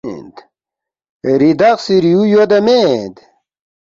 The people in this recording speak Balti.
ریدخسی دریُو یودا مید؟“